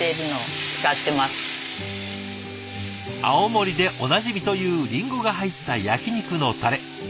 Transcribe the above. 青森でおなじみというりんごが入った焼き肉のたれ。